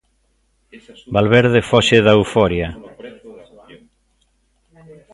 Valverde foxe da euforia.